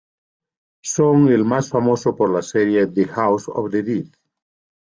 Son el más famoso por la serie The House of the Dead.